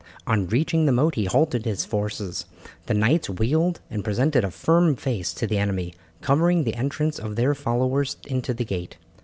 On reaching the moat he halted his forces. The knights wheeled and presented a firm face to the enemy, covering the entrance of their followers into the gate.